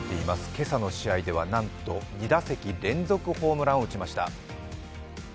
今朝の試合ではなんと２打席連続ホームランを打ちました。